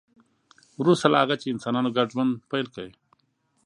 وروسته له هغه چې انسانانو ګډ ژوند پیل کړ